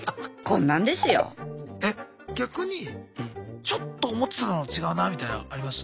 え逆にちょっと思ってたのと違うなみたいのあります？